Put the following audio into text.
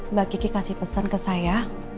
mbak kiki kasih pesan ke saya